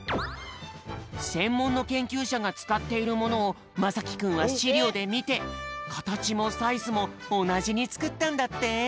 せんもんのけんきゅうしゃがつかっているものをまさきくんはしりょうでみてかたちもサイズもおなじにつくったんだって！